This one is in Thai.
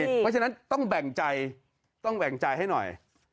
เพราะฉะนั้นต้องแบ่งใจต้องแบ่งใจให้หน่อย